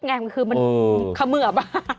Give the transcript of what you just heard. มันคือมันขะเมือบ